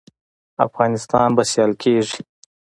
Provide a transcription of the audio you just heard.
افغانستان به سیال کیږي